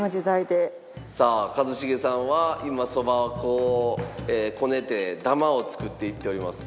さあ一茂さんは今そば粉をこねてダマを作っていっております。